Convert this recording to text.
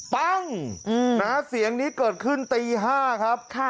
ปั้งเสียงนี้เกิดขึ้นตี๕ครับ